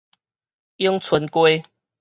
永春街